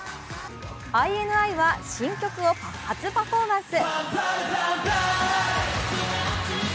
ＩＮＩは新曲を初パフォーマンス。